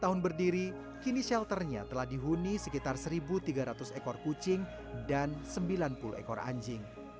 dua puluh tahun berdiri kini shelternya telah dihuni sekitar satu tiga ratus ekor kucing dan sembilan puluh ekor anjing